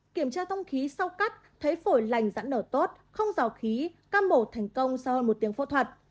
kiểm tra thông khí sau cắt thấy phổi lành giãn nở tốt không rào khí ca mổ thành công sau hơn một tiếng phẫu thuật